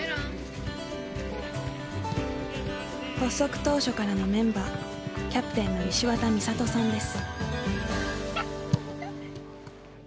発足当初からのメンバーキャプテンの石渡美里さんです。